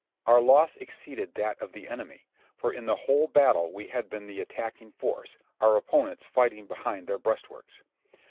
Our loss exceeded that of the enemy, for in the whole battle we had been the attacking force ; our opponents fighting behind their breastworks.